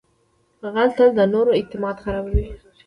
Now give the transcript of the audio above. غل تل د نورو اعتماد خرابوي